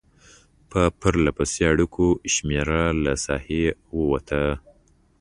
په پرلپسې اړیکو شمېره له ساحې ووته.